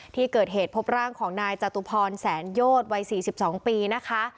ที่เกิดเหตุพบร่างของนายจตุพรแสนโยศวัย๔๒ปีนะคะ